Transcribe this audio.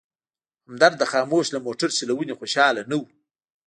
همدرد د خاموش له موټر چلونې خوشحاله نه و.